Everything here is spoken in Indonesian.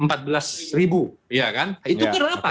itu karena apa